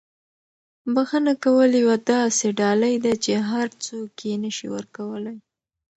بښنه کول یوه داسې ډالۍ ده چې هر څوک یې نه شي ورکولی.